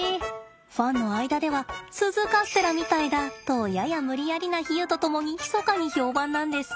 ファンの間では鈴カステラみたいだとやや無理やりな比喩と共にひそかに評判なんです。